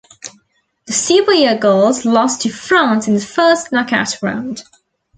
The Super Eagles lost to France in the first knock-out round.